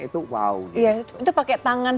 itu bau itu pakai tangan